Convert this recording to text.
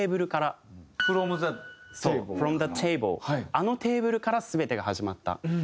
「あのテーブルから全てが始まった」。